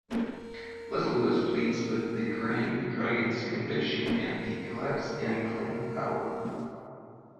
Leslie was pleased with the Grand Dragon's conviction and the collapse in Klan power.